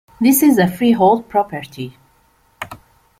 This is a freehold property.